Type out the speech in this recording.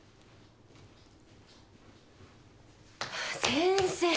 先生。